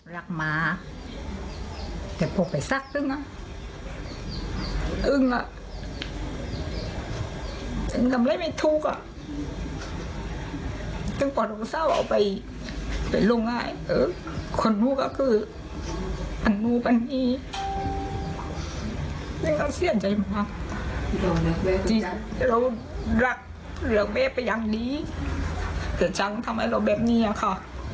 หรือเอาไม่ไปอย่างนี้เผื่อชังทำให้เราแบบนี้ค่ะ